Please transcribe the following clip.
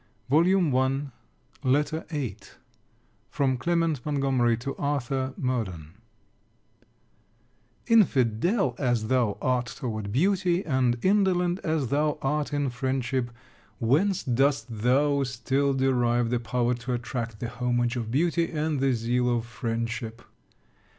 CAROLINE ASHBURN LETTER VIII FROM CLEMENT MONTGOMERY TO ARTHUR MURDEN Infidel as thou art toward beauty, and indolent as thou art in friendship, whence dost thou still derive the power to attract the homage of beauty, and the zeal of friendship.